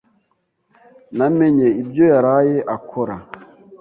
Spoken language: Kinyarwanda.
Namenye ibyo yaraye akora.